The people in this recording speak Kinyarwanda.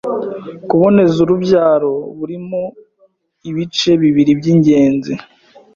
kuboneza urubyaro burimo ibice bibiri by’ingenzi